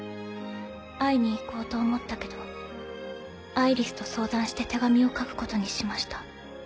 会いに行こうと思ったけどアイリスと相談して手紙を書くことにしました。